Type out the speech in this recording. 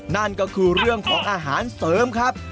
นั่นก็คือเรื่องของอาหารเสริมครับ